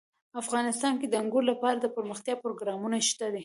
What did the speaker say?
افغانستان کې د انګورو لپاره دپرمختیا پروګرامونه شته دي.